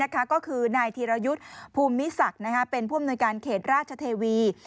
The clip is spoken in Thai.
ก็คือนายธีรยุทธ์ภูมิศักดิ์เป็นผู้อำนวยการเขตราชเทวี